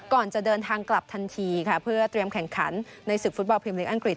ก่อนจะเดินทางกลับทันทีค่ะเพื่อเตรียมแข่งขันในศึกฟุตบอลพิมพลิกอังกฤษ